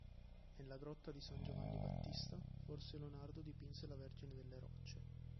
Nella grotta di San Giovanni Battista, forse Leonardo dipinse la Vergine delle Rocce.